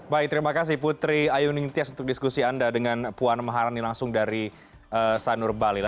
baik terima kasih putri ayu ningtyas untuk diskusi anda dengan puan maharani langsung dari sanur bali